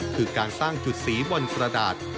คือการสร้างจุดสีบนกระดาษ